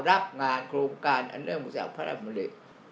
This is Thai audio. รับงานโครงการอันเนื่องมาจากพระราชมริต